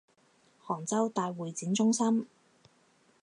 杭州大会展中心